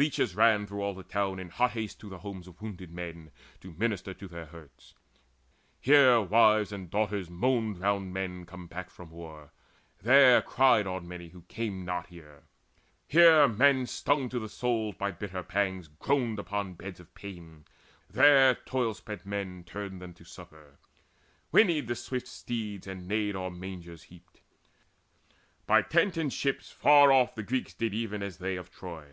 Leeches ran Through all the town in hot haste to the homes Of wounded men to minister to their hurts. Here wives and daughters moaned round men come back From war, there cried on many who came not Here, men stung to the soul by bitter pangs Groaned upon beds of pain; there, toil spent men Turned them to supper. Whinnied the swift steeds And neighed o'er mangers heaped. By tent and ship Far off the Greeks did even as they of Troy.